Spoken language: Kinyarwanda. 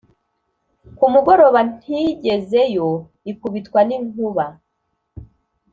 ku mugoroba ntigezeyo ikubitwa n'inkuba